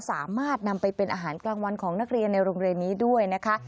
สามารถนำไปเป็นอาหารกลางวันของนักเรียนในโรงเรียนนี้ด้วยนะคะ